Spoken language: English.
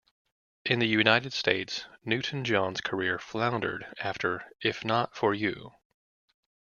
In the United States, Newton-John's career floundered after If Not For You.